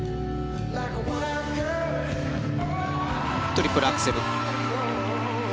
トリプルアクセル。